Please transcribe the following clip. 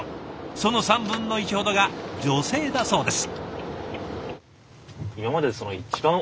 その３分の１ほどが女性だそうです。